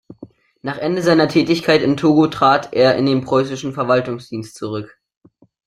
Nach Ende seiner Tätigkeit in Togo trat er in den preußischen Verwaltungsdienst zurück.